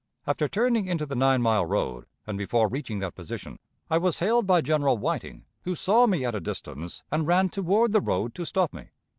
After turning into the Nine mile road, and before reaching that position, I was hailed by General Whiting, who saw me at a distance, and ran toward the road to stop me.